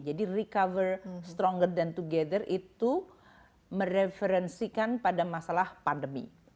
jadi recover stronger than together itu mereferensikan pada masalah pandemi